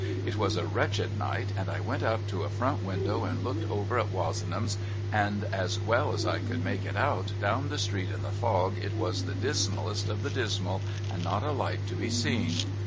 It was a wretched night and I went up to a front window and looked over at Wozenham's and as well as I could make it out down the street in the fog it was the dismallest of the dismal and not a light to be seen.